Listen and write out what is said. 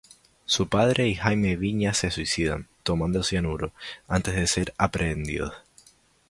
Su padre y Jaime Viñas se suicidan, tomando cianuro, antes de ser aprehendidos.